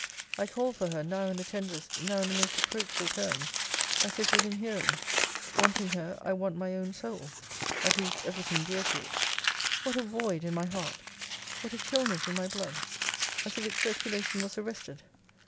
I call for her, now in the tenderest, now in the most reproachful terms, as if within hearing: wanting her, I want my own soul, at least every thing dear to it. What a void in my heart! what a chilness in my blood, as if its circulation was arrested!